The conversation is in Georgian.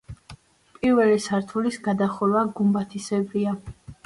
პირველი სართულის გადახურვა გუმბათისებრია.